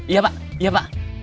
iya pak iya pak